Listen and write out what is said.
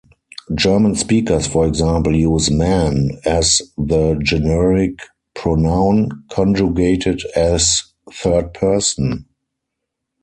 German speakers, for example, use "man" as the generic pronoun, conjugated as third person.